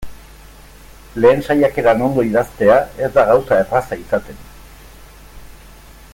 Lehen saiakeran ondo idaztea ez da gauza erraza izaten.